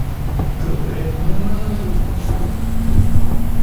In conclusion, civil law is a vital component of any legal system.